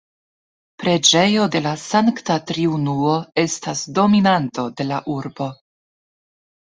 Preĝejo de la Sankta Triunuo estas dominanto de la urbo.